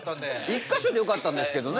１か所でよかったんですけどね。